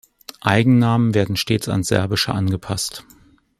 Eigennamen werden stets ans Serbische angepasst.